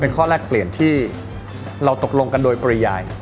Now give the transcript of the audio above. ข้อแรกเปลี่ยนที่เราตกลงกันโดยปริยาย